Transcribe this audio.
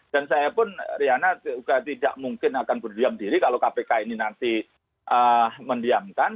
dan saya pun riana tidak mungkin akan berdiam diri kalau kpk ini nanti mendiamkan